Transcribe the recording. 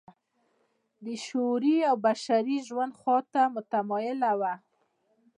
د شعوري او بشري ژوند خوا ته متمایله وه.